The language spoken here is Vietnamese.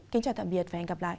kính chào tạm biệt và hẹn gặp lại